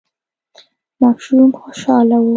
ماشوم خوشاله و.